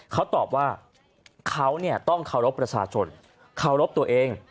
เขาตอบว่าเขาต้องเคารพประชาชนเคารพตัวเอง